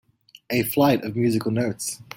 A flight of musical notes.